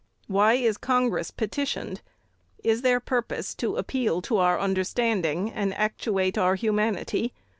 Why is Congress petitioned? Is their purpose to appeal to our understanding, and actuate our humanity?